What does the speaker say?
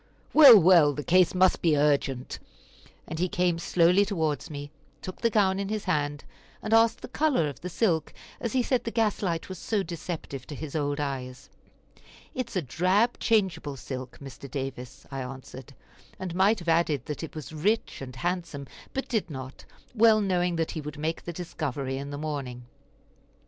"Well, well, the case must be urgent," and he came slowly towards me, took the gown in his hand, and asked the color of the silk, as he said the gas light was so deceptive to his old eyes. "It is a drab changeable silk, Mr. Davis," I answered; and might have added that it was rich and handsome, but did not, well knowing that he would make the discovery in the morning.